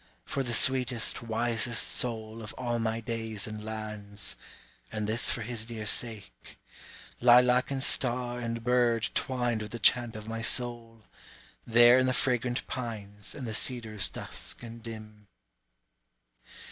For the sweetest, wisest soul of all my days and lands and this for his dear sake, Lilac and star and bird twined with the chant of my soul, There in the fragrant pines and the cedars dusk and dim.